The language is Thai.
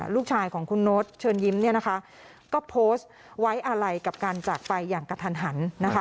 ลูกชายของคุณโน๊ตเชิญยิ้มก็โพสต์ไว้อะไรกับการจากไปอย่างกระทันหัน